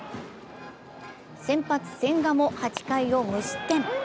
先発・千賀も８回を無失点。